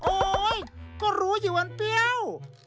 โอ๊ยก็รู้อยู่วันเปรี้ยว